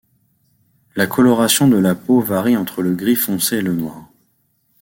La coloration de la peau varie entre le gris foncé et le noir.